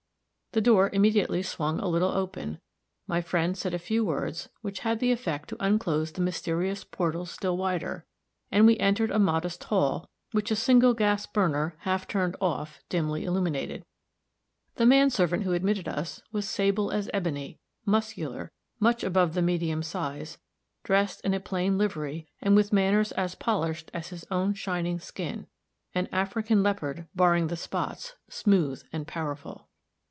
The door immediately swung a little open, my friend said a few words which had the effect to unclose the mysterious portals still wider, and we entered a modest hall, which a single gas burner, half turned off, dimly illuminated. The man servant who admitted us was sable as ebony, muscular, much above the medium size, dressed in a plain livery, and with manners as polished as his own shining skin an African leopard, barring the spots, smooth and powerful.